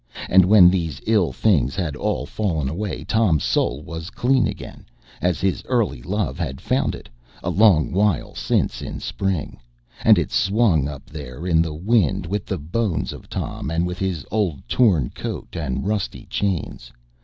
And when these ill things had all fallen away, Tom's soul was clean again, as his early love had found it, a long while since in spring; and it swung up there in the wind with the bones of Tom, and with his old torn coat and rusty chains.